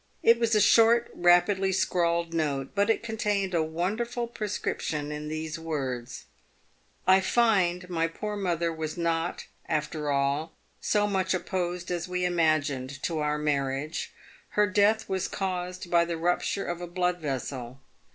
It was a short, rapidly scrawled note, but it contained a wonderful prescrip tion in these words :" I find my poor mother was not, after all, so much opposed as we imagined to our marriage. Her death was caused by the rupture of a blood vessel.